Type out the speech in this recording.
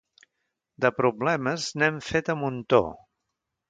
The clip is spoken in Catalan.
De problemes, n'hem fet a muntó.